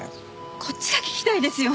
こっちが聞きたいですよ。